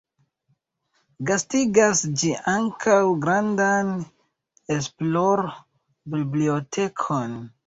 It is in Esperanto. Gastigas ĝi ankaŭ grandan esplor-bibliotekon.